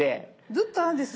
ずっと「あ」です